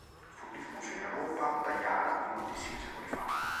Fu diffuso in Europa dagli arabi moltissimi secoli fa.